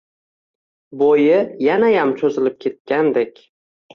Bo`yi yanayam cho`zilib ketgandek